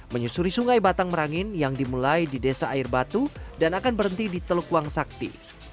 menyusuri sungai batang merangin yang dimulai di desa air batu dan akan berhenti di teluk wangsakti